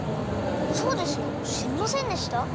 そうですよしりませんでした？